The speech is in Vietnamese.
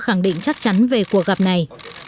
khẳng định chắc chắn về cuộc gặp này